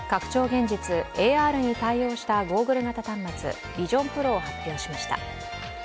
現実＝ＡＲに対応したゴーグル型端末ＶｉｓｉｏｎＰｒｏを発表しました。